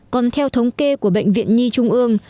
còn theo thống kê của bệnh viện nhi trung ương